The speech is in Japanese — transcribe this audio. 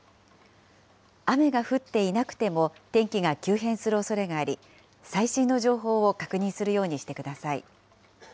雨が降っていなくても、天気が急変するおそれがあり、最新の情報を確認するようにしてください。